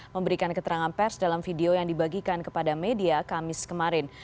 memberikan keterangan pers dalam video yang dibagikan kepada media kamis kemarin